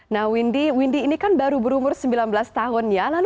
nah windy windy ini kan baru berumur sembilan belas tahun ya